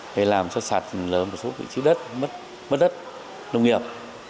để làm cho sạt lở một số vị trí đất mất đất nông nghiệp